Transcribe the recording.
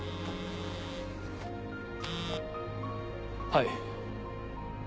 はい。